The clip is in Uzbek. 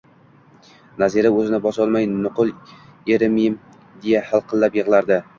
Nazira o`zini bosolmay nuqul erimerim deya hiqillab yig`lardi